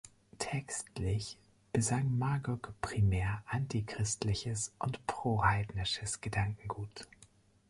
Textlich besang Magog primär anti-christliches und pro-heidnisches Gedankengut.